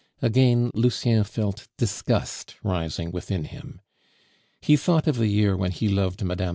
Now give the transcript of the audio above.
Again Lucien felt disgust rising within him. He thought of the year when he loved Mme.